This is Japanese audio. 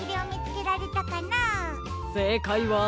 せいかいは。